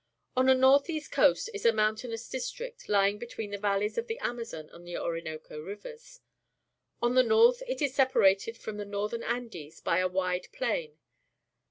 On the north east coast is a moim tainous district, lying between the valleys of the Amazon and Orinoco Rivers. On the north it is separated from tlie Northern Andes by a wide plain.